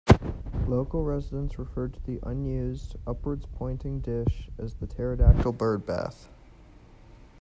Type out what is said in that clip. Local residents referred to the unused, upwards-pointing, dish as "the Pterodactyl Birdbath".